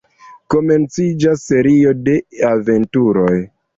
Komenciĝas serio de aventuroj.